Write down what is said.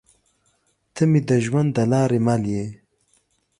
تۀ مې د ژوند د لارې مل يې